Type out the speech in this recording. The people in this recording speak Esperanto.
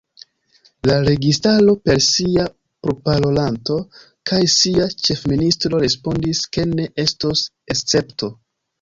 La registaro, per sia proparolanto kaj sia ĉefministro respondis ke ne estos escepto.